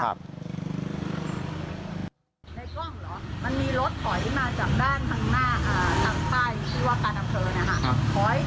ในกล้องเหรอมันมีรถถอยมาจากด้านฝั่งหน้าทางใต้ชื่อว่าประดับเผลอนะฮะ